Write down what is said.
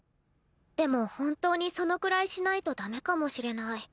でも本当にそのくらいしないとダメかもしれない。